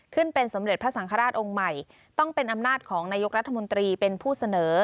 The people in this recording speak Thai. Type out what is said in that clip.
ขึ้นเป็นสมเด็จพระสังฆราชองค์ใหม่ต้องเป็นอำนาจของนายกรัฐมนตรีเป็นผู้เสนอ